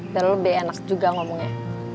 darah lo lebih enak juga ngomongnya